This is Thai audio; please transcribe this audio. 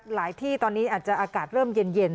ที่ตอนนี้อาจจะอากาศเริ่มเย็น